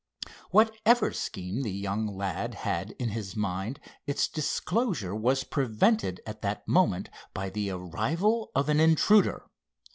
Whatever scheme the young lad had in his mind, its disclosure was prevented at that moment by the arrival of an intruder.